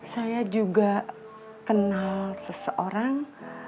saya juga kenal seseorang